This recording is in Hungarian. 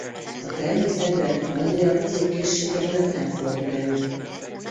A természetben nagy reakciókészsége miatt nem fordul elő.